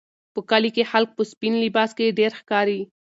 په کلي کې خلک په سپین لباس کې ډېر ښکاري.